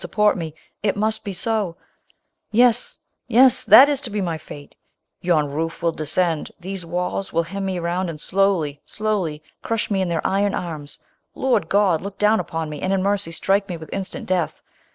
— support me! it must be ..'•— Yes, yes, that is to lie my fate ! Yon roof will descend .' these walls will hem me round — and lowly, slowly, rnisli me in their iron arm ! Lord (MM!! look down npou me, Uiid in mercy strike me with instant death!